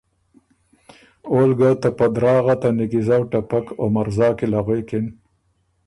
اول ګه ته په دراغه ته نیکیزؤ ټپک او مرزا کی له غوېکِن۔